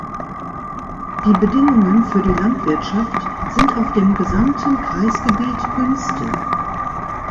Die Bedingungen für die Landwirtschaft sind auf dem gesamten Kreisgebiet günstig.